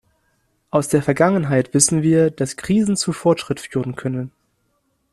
Aus der Vergangenheit wissen wir, dass Krisen zu Fortschritt führen können.